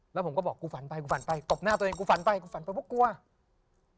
แล้วผมก็บอกกูฝันไปกูฝันไปตบหน้าตัวเองกูฝันไปกูฝันไปปุ๊บกลัว